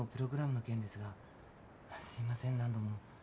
すいません何度も。